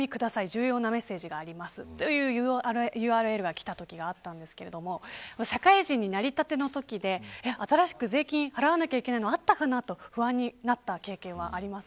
重要なメッセージがありますというＵＲＬがきたときがあったんですけど社会人なりたてのときで新しく税金払わなきゃいけないのあったかなと不安になった経験があります。